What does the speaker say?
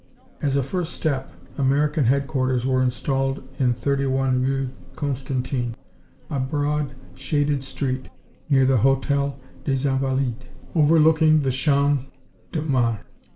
As a first step American headquarters were installed in 31 Rue Constantine, a broad, shaded street near the Hôtel des Invalides, overlooking the Champs de Mars.